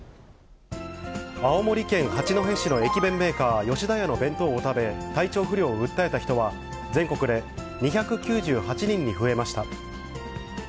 青森県八戸市の駅弁メーカー、吉田屋の弁当を食べ、体調不良を訴えた人は、全国で２９８人に増えました。